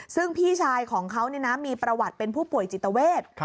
ซึ่งพี่ชายของเขามีประวัติเป็นผู้ป่วยจิตเวท